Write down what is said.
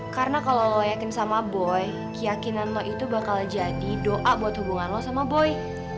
karena kalo lo yakin sama boy keyakinan lo itu bakal jadi doa buat hubungan lo sama boy